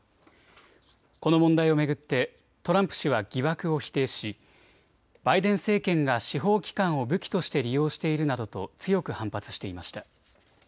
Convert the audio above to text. この問題を巡ってトランプ氏は疑惑を否定しバイデン政権が司法機関を武器として利用しているなどと強く反発していました。